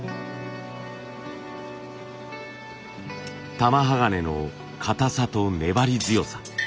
玉鋼の硬さと粘り強さ。